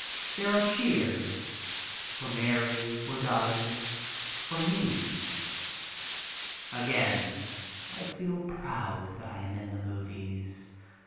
There are cheers — for Mary, for Doug, for me. Again I feel proud that I am in the movies.